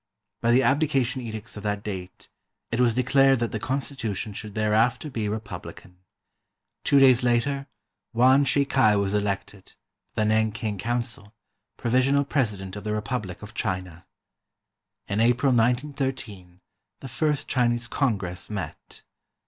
By the Abdication Edicts of that date, it was declared that the constitution should thereafter be republican. Two days later. Yuan Shih kai was elected, by the Nanking Council, Provisional President of the Republic of China. In April 1 913, the first Chinese Congress met.